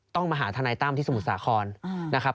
ต้องมาหาทนายตั้มที่สมุทรสาครนะครับ